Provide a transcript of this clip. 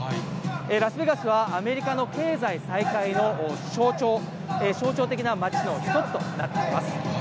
ラスベガスは、アメリカの経済再開の象徴的な街の一つとなっています。